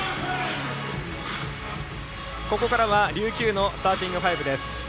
ここからは、琉球のスターティング５です。